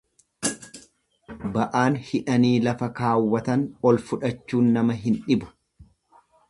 Ba'aan hidhanii lafa kaawwatan ol fudhachuun nama hin dhibu.